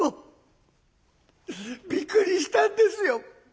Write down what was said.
「びっくりしたんですよ。